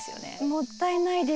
もったいないです。